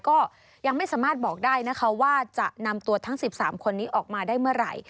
ก็ยังไม่สามารถบอกได้นะคะว่าจะนำตัวทั้ง๑๓คนนี้ออกมาได้เมื่อไหร่